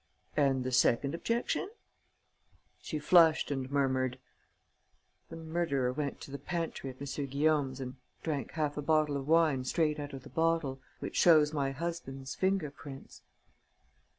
"And the second objection?" She flushed and murmured: "The murderer went to the pantry at M. Guillaume's and drank half a bottle of wine straight out of the bottle, which shows my husband's fingerprints."